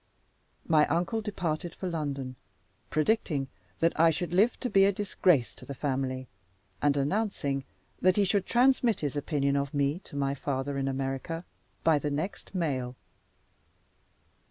My uncle departed for London, predicting that I should live to be a disgrace to the family, and announcing that he should transmit his opinion of me to my father in America by the next mail.